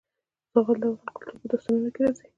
زغال د افغان کلتور په داستانونو کې راځي.